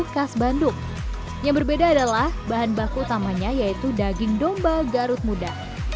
khas bandung yang berbeda adalah bahan baku utamanya yaitu daging domba garut muda